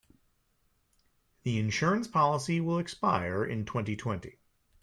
The insurance policy will expire in twenty-twenty.